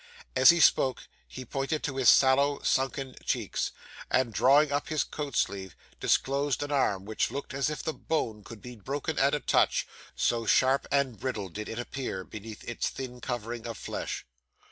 As he spoke, he pointed to his sallow, sunken cheeks, and, drawing up his coat sleeve, disclosed an arm which looked as if the bone could be broken at a touch, so sharp and brittle did it appear, beneath its thin covering of flesh.